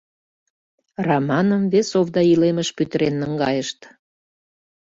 — Раманым вес овда илемыш пӱтырен наҥгайышт.